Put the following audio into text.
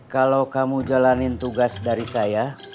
kalau kamu jalanin tugas dari saya